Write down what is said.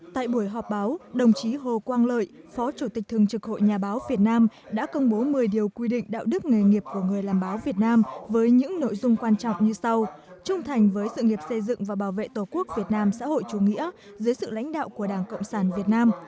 tại buổi họp báo đồng chí hồ quang lợi phó chủ tịch thường trực hội nhà báo việt nam đã công bố một mươi điều quy định đạo đức nghề nghiệp của người làm báo việt nam